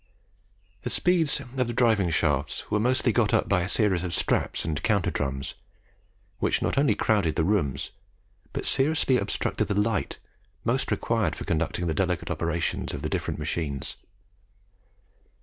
The speeds of the driving shafts were mostly got up by a series of straps and counter drums, which not only crowded the rooms, but seriously obstructed the light where most required for conducting the delicate operations of the different machines.